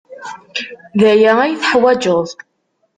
D aya ay teḥwaǧeḍ.